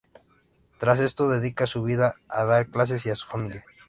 Tras esto, dedica su vida a dar clases y a su familia.